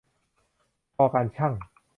ช การช่าง